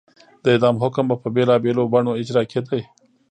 د اعدام حکم به په بېلابېلو بڼو اجرا کېده.